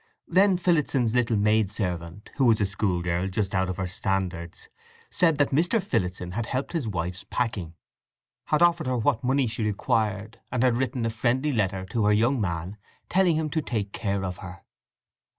Then Phillotson's little maidservant, who was a schoolgirl just out of her standards, said that Mr. Phillotson had helped in his wife's packing, had offered her what money she required, and had written a friendly letter to her young man, telling him to take care of her.